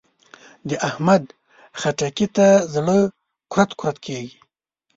د احمد؛ خټکي ته زړه کورت کورت کېږي.